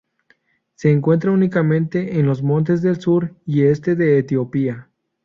Se encuentra únicamente en los montes del sur y este de Etiopía.